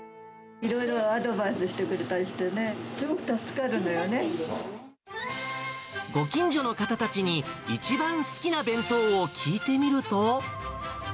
いろいろアドバイスしてくれご近所の方たちに、一番好きな弁当を聞いてみると。